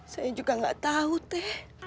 saya juga gak tahu tete